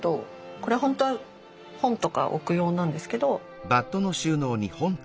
これほんとは本とか置く用なんですけど。